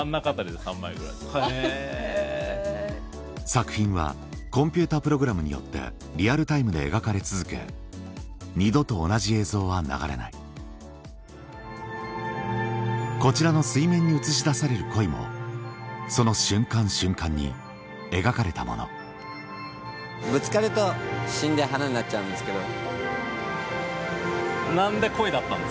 作品はコンピュータープログラムによってリアルタイムで描かれ続けこちらの水面に映し出される鯉もその瞬間瞬間に描かれたものぶつかると死んで花になっちゃうんですけど。